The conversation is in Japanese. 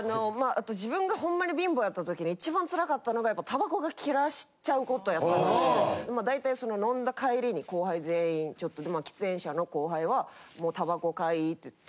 あと自分がほんまに貧乏やったときに一番つらかったのがタバコが切らしちゃうことやったんでまあ大体飲んだ帰りに後輩全員ちょっと喫煙者の後輩はタバコ買いって言って。